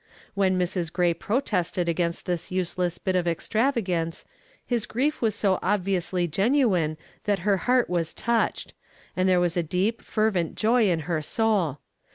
When Mrs. Gray protested against this useless bit of extravagance, his grief was so obviously genuine that her heart was touched, and there was a deep, fervent joy in her soul.